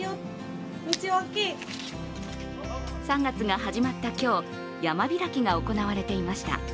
３月が始まった今日、山開きが行われていました。